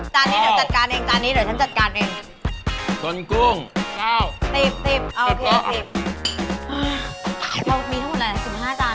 จานนี้เดี๋ยวจัดการเองจนกุ้ง๙จานนี้เดี๋ยวฉันจัดการเอง